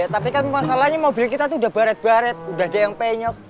tapi kan masalahnya mobil kita itu udah baret baret udah ada yang penyok